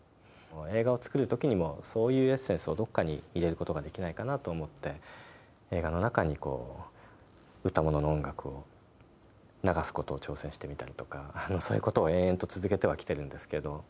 映画を作る時にもそういうエッセンスをどこかに入れることができないかなと思って映画の中に歌ものの音楽を流すことを挑戦してみたりとかそういうことを延々と続けてはきてるんですけど。